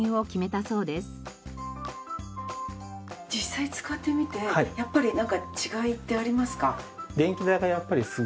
実際使ってみてやっぱり違いってありますか？